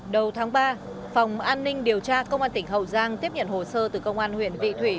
đầu tháng ba phòng an ninh điều tra công an tỉnh hậu giang tiếp nhận hồ sơ từ công an huyện vị thủy